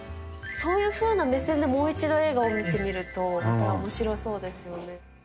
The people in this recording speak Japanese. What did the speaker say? そういうふうな目線でもう一度映画を見てみると、またおもしろそうですよね。